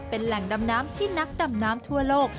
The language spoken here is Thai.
เป็นแหล่งดำน้ำที่นักดำน้ำทั่วโลก